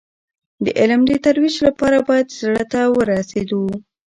د علم د ترویج لپاره باید زړه ته ورسېدو.